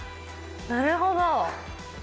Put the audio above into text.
なるほど。